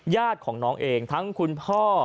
ญาติของน้องเองทั้งคุณพ่อ